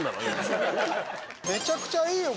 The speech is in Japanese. めちゃくちゃいいよ